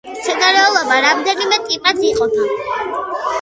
მცენარეულობა რამდენიმე ტიპად იყოფა.